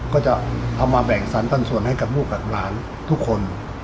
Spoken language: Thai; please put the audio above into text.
ก็จะเอามาแบ่งสรรปันส่วนให้กับลูกกับหลานทุกคน